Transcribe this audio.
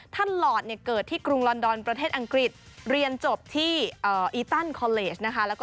ท่านลอร์ดเกิดที่กรุงลอนดอนประเทศอังกฤษ